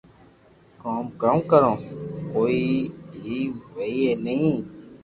ڪوم ڪاو ڪرو ڪوم ئي وئي ني